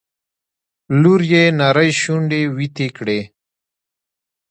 لور يې نرۍ شونډې ويتې کړې.